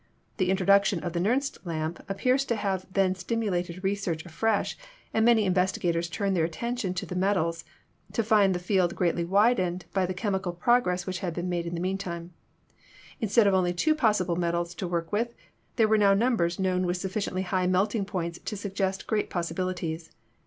The introduction of the Nernst lamp ap pears to have then stimulated research afresh, and many inventors turned their attention to the metals, to find the field greatly widened by the chemical progress which had been made in the meantime. Instead of only two possible metals to work with, there were now numbers known with sufficiently high melting points to suggest great possibili ties.